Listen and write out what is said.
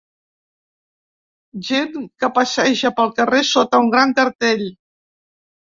Gent que passeja pel carrer sota un gran cartell.